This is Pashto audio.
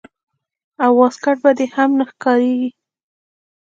او واسکټ به دې هم نه ښکارېږي.